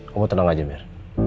kamu tenang aja mir